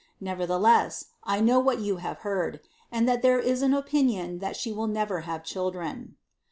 Nevertheless, I know what you have heard ; and that there is an opinion that she will never have children."